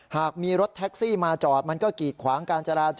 หากมีรถแท็กซี่มาจอดมันก็กีดขวางการจราจร